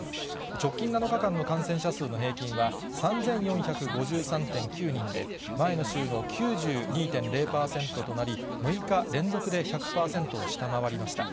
直近７日間の感染者数の平均は３４５３．９人で、前の週の９２．０％となり、６日連続で１００％を下回りました。